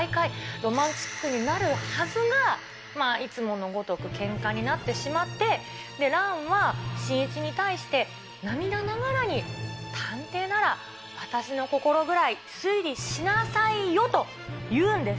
ロマンチックになるはずが、まあいつものごとくけんかになってしまって、蘭は新一に対して涙ながらに、探偵なら、私の心ぐらい推理しなさいよと言うんです。